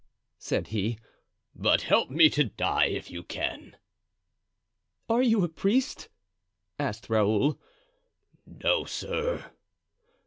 said he, "but help me to die, if you can." "Are you a priest?" asked Raoul. "No sir."